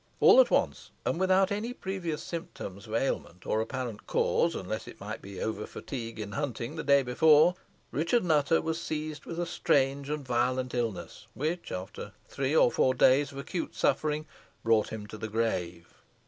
All at once, and without any previous symptoms of ailment, or apparent cause, unless it might be over fatigue in hunting the day before, Richard Nutter was seized with a strange and violent illness, which, after three or four days of acute suffering, brought him to the grave.